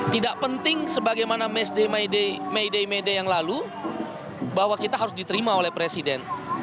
tidak penting sebagaimana may day mede yang lalu bahwa kita harus diterima oleh presiden